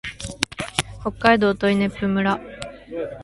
北海道音威子府村